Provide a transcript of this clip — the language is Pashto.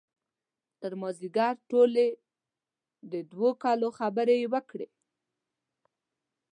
تر مازدیګر ټولې د دوه کالو خبرې یې وکړې.